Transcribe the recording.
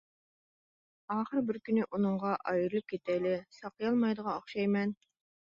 ئاخىرى بىر كۈنى ئۇنىڭغا، ئايرىلىپ كېتەيلى، ساقىيالمايدىغان ئوخشايمەن.